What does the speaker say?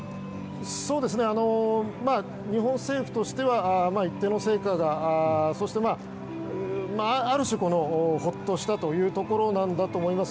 日本政府としては一定の成果がありそして、ある種ほっとしたというところなんだと思います。